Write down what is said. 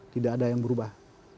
tidak ada yang berubah